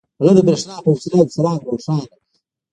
هغه د برېښنا په وسيله يو څراغ روښانه کړ.